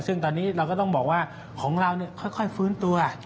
ซึ่งตอนนี้เราก็ต้องบอกว่าของเราค่อยฟื้นตัว